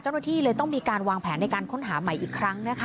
เจ้าหน้าที่เลยต้องมีการวางแผนในการค้นหาใหม่อีกครั้งนะคะ